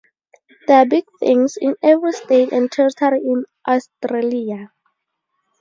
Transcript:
There are big things in every state and territory in Australia.